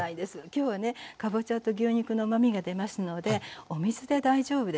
きょうはねかぼちゃと牛肉のうまみが出ますのでお水で大丈夫です。